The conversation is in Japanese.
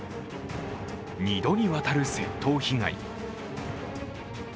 ２度にわたる窃盗被害。